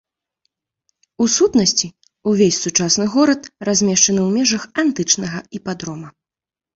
У сутнасці, увесь сучасны горад размешчаны ў межах антычнага іпадрома.